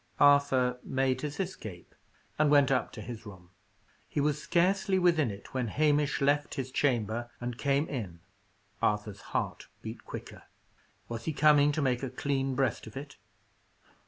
Arthur made his escape, and went up to his room. He was scarcely within it when Hamish left his chamber and came in. Arthur's heart beat quicker. Was he coming to make a clean breast of it?